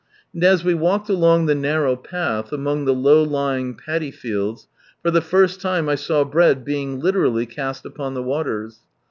And as we walked along the narrow iiath, among the low lying paddy fields, for the first time I saw bread being literally cast upon the waters.